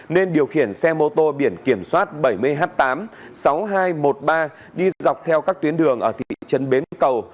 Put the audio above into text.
nên điều khiển xe mô tô biển kiểm soát bảy mươi h tám sáu nghìn hai trăm một mươi ba đi dọc theo các tuyến đường ở thị trấn bến cầu